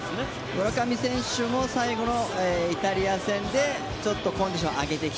村上選手も最後のイタリア戦でちょっとコンディションを上げてきた。